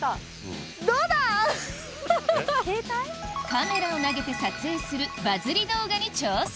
カメラを投げて撮影するバズり動画に挑戦！